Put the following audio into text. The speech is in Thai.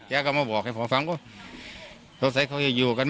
อยากก็มาบอกตักป่ะฟังก็ทรงใส่ค่อยอยู่กันไม่ได้